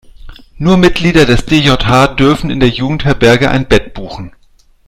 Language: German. Nur Mitglieder des DJH dürfen in der Jugendherberge ein Bett buchen.